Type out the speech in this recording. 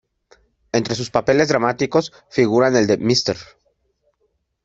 Entre sus papeles dramáticos figuran el de Mr.